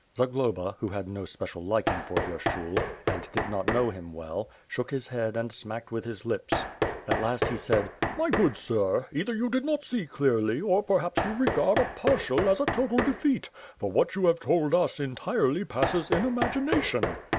Zaglaba, who had no special liking for Vyershul, and did not know him well, shook his head and smacked with his lips. At last he said: "ily good sir, either you did not see clearly, or perhaps you regard a partial as a total defeat; for what you have told us, entirely passes in imagination."